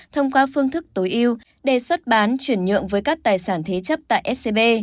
thông qua phương thức tối ưu đề xuất bán chuyển nhượng với các tài sản thế chấp tại scb